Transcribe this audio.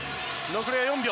残りは４秒。